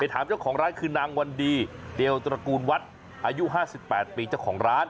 ไปถามเจ้าของร้านคือนางวันดีเดียวตระกูลวัดอายุห้าสิบแปดปีเจ้าของร้าน